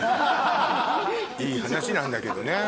いい話なんだけどね。